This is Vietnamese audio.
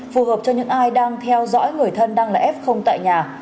phù hợp cho những ai đang theo dõi người thân đang là f tại nhà